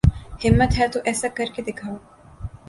ہمت ہے تو ایسا کر کے دکھاؤ